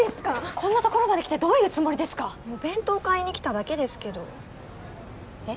こんな所まで来てどういうつもりですかお弁当買いに来ただけですけどえっ？